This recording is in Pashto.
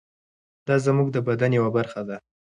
دا زموږ د بدن یوه برخه ده.